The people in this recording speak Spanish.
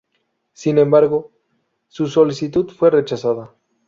Sin embargo, su solicitud fue rechazada.